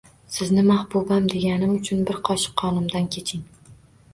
Sizni mahbubam deganim uchun bir qoshiq qonimdan keching